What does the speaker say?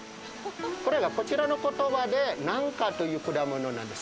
これが、こちらの言葉でナンカという果物なんです。